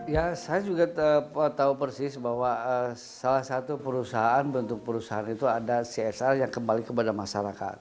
ya saya juga tahu persis bahwa salah satu perusahaan bentuk perusahaan itu ada csr yang kembali kepada masyarakat